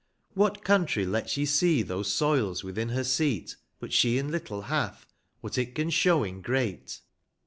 What countr}"^ lets ye see those soils within her seat, But siie in little hath, what it can show in great?